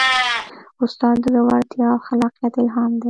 استاد د زړورتیا او خلاقیت الهام دی.